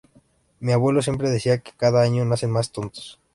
Mi abuelo siempre decía que cada año nacen más tontos.